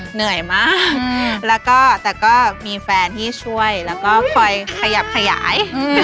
เหนื่อยมากแล้วก็แต่ก็มีแฟนที่ช่วยแล้วก็คอยขยับขยาย